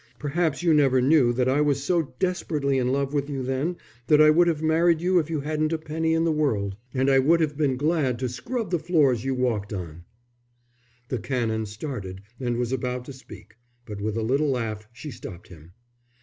Perhaps you never knew that I was so desperately in love with you then that I would have married you if you hadn't a penny in the world, and I would have been glad to scrub the floors you walked on." The Canon started and was about to speak. But with a little laugh she stopped him.